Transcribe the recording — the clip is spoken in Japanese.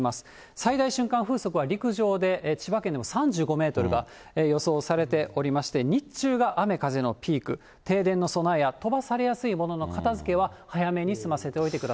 最大瞬間風速は、陸上で千葉県の３５メートルが予想されておりまして、日中が雨、風のピーク、停電の備えや飛ばされやすい物の片づけは早めに済ませておいてく